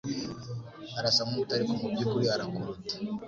Arasa nkumuto, ariko mubyukuri arakuruta.